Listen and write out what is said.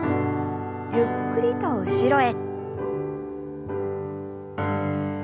ゆっくりと後ろへ。